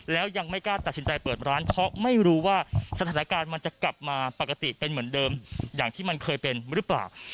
แล้วยังไม่กล้าตัดสินใจเปิดร้านเพราะไม่รู้ว่าสถานการณ์มันจะกลับมาปกติเป็นเหมือนเดิมอย่างที่มันเคยเป็นหรือเปล่า